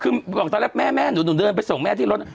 คือบอกตอนแรกแม่หนูเดินไปส่งแม่ที่รถ